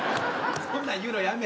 そんなん言うのやめ。